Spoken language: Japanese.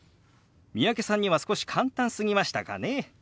三宅さんには少し簡単すぎましたかね？